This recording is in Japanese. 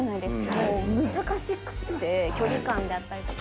もう難しくって、距離感だったりとか。